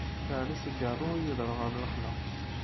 Yecεel-as igiṛṛu, yuder ɣer lexla.